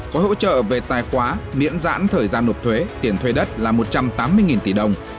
gói hỗ trợ về tài khoá miễn giãn thời gian nộp thuế tiền thuê đất là một trăm tám mươi tỷ đồng